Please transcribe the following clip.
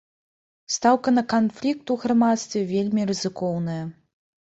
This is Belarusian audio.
Стаўка на канфлікт у грамадстве вельмі рызыкоўная.